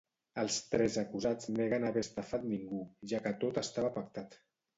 Els tres acusats neguen haver estafat ningú ja que tot estava pactat.